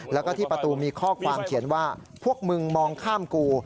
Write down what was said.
แล้วก็ที่ประตูมีข้อความเขียนว่าพวกมึงมองข้ามกู